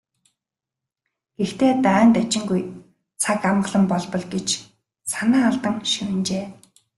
"Гэхдээ дайн дажингүй, цаг амгалан болбол" гэж санаа алдан шивнэжээ.